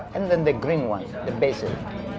dan pembunuh merah itu bisa dihormati basil